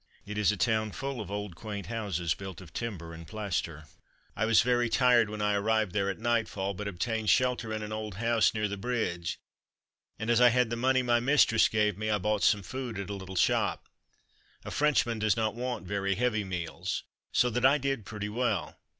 It is a town full of old quaint houses built of timber and plaster. I was very tired when I arrived there at nightfall, but obtained shelter in an old house near the bridge, and as I had the money my mistress gave me I bought some food at a little shop; a Frenchman does not want very heavy meals, so that I did pretty well.